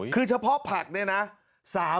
คือเฉพาะผักเนี่ยนะ